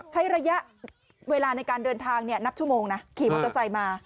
ใช้ระยะเวลาในการเดินทางนับชั่วโมงขี่บัตรไทยมา